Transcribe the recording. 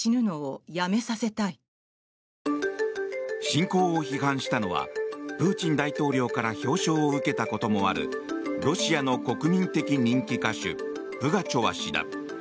侵攻を批判したのはプーチン大統領から表彰を受けたこともあるロシアの国民的人気歌手プガチョワ氏だ。